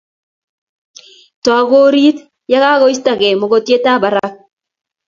Taku oriti yakakoistake mokotyet ab barak'